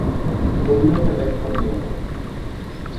অন্য একটা ব্যাখ্যাও দেয়া যায়।